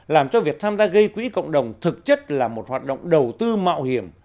làm cho việc tham gia gây quỹ cộng đồng thực chất là một hoạt động đầu tư mạo hiểm